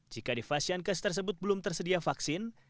jika di vashian kes tersebut belum tersedia vaksin